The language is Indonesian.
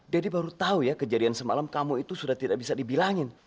baru tahu ya kejadian semalam kamu itu sudah tidak bisa dibilangin